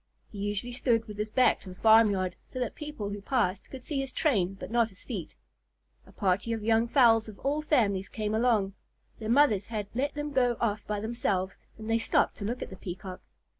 He usually stood with his back to the farmyard, so that people who passed could see his train but not his feet. A party of young fowls of all families came along. Their mothers had let them go off by themselves, and they stopped to look at the Peacock.